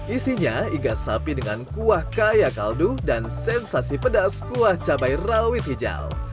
isinya igas sapi dengan kuah kaya kaldu dan sensasi pedas kuah cabai rawit hijau